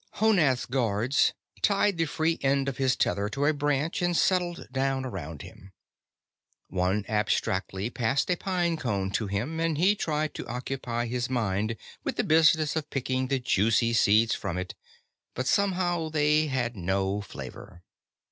Honath's guards tied the free end of his tether to a branch and settled down around him. One abstractedly passed a pine cone to him and he tried to occupy his mind with the business of picking the juicy seeds from it, but somehow they had no flavor.